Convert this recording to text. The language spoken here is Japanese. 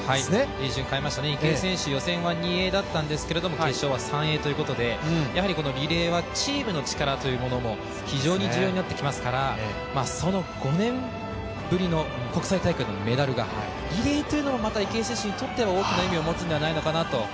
泳順変えましたね、池江選手予選は４泳でしたが決勝は３泳ということでリレーはチームの力というものも非常に重要になってきますから、その５年ぶりの国際大会のメダルがリレーというのも池江選手にとっても大きな意味を持つのではないかなと。